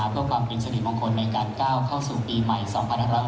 ถือว่าชีวิตที่ผ่านมายังมีความเสียหายแก่ตนและผู้อื่น